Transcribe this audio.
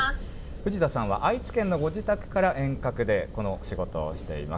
藤田さんは愛知県のご自宅から遠隔で、この仕事をしています。